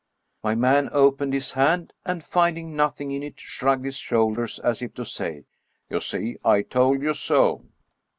" My man opened his hand, and, finding nothing in it, shrugged his shoulders, as if to say, "You see, I told you so."